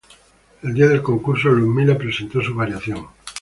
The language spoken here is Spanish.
El día del concurso Ludmila presentó su variación.